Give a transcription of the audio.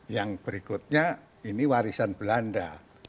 yang berikutnya ini warisan belanda